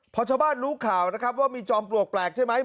พอชาวบ้านรู้ข่าวนะครับว่ามีจอมปลวกแปลกใช่ไหม